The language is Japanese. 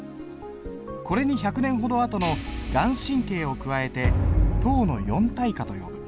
これに１００年ほど後の顔真を加えて唐の四大家と呼ぶ。